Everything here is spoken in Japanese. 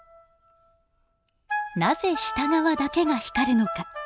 なぜ下側だけが光るのか。